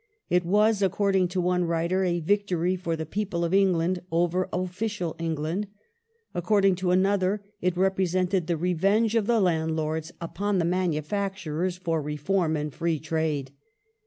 It was, according to one writer, " a victory of the people of England over official England ";^ according to another, it represented " the revenge of the landlords upon the manufacturers for reform and free trade